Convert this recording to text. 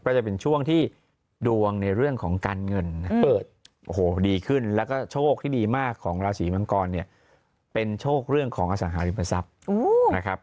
ก็จะเป็นช่วงที่ดวงในเรื่องของการเงินโอ้โหดีขึ้นแล้วก็โชคที่ดีมากของราศีมังกรเนี่ยเป็นโชคเรื่องของอสังหาริมทรัพย์นะครับ